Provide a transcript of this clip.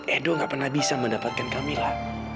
edo gak pernah bisa mendapatkan camilan